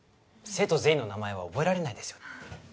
生徒全員の名前は覚えられないですよね